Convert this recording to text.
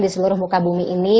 di seluruh muka bumi ini